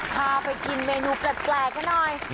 พาไปกินเมนูแปลกเท่านั้น